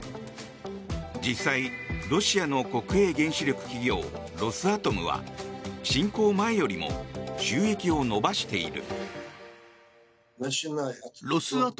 実際、ロシアの国営原子力企業ロスアトムは侵攻前よりも収益を伸ばしている。